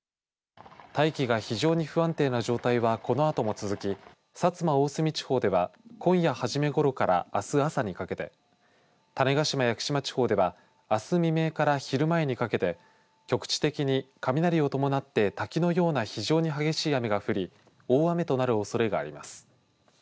大気が非常に不安定な状態はこのあとも続き薩摩、大隅地方では今夜初めごろからあす朝にかけて種子島、屋久島地方ではあす未明から昼前にかけて局地的に雷を伴って滝のような非常に激しい雨が降り大雨となるおそれがあります。